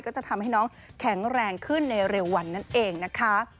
จะทำให้น้องแข็งแรงขึ้นในเร็ววันนั่นเองนะคะ